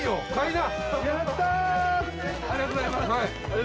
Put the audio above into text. ありがとうございます。